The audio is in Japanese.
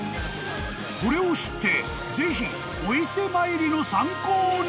［これを知ってぜひお伊勢参りの参考に！］